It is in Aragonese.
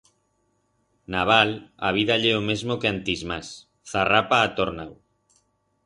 En a val a vida ye o mesmo que antis mas, zarrapa ha tornau.